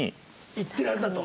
いってるはずだと。